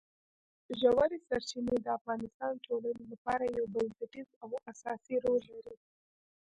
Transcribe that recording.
ژورې سرچینې د افغانستان د ټولنې لپاره یو بنسټیز او اساسي رول لري.